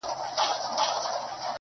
بنگړي نه غواړم.